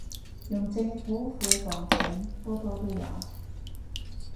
用政府庫房錢，多多都有